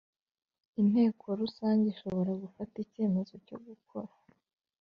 Inteko rusange ishobora gufata icyemezo cyo gukora